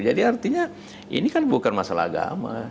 jadi artinya ini kan bukan masalah agama